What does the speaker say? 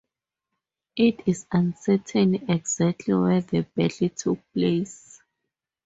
It is uncertain exactly where the battle took place.